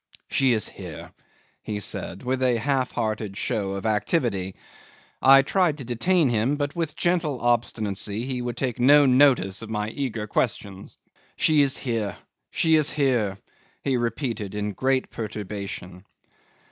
She is here," he said, with a half hearted show of activity. I tried to detain him, but with gentle obstinacy he would take no notice of my eager questions. "She is here, she is here," he repeated, in great perturbation.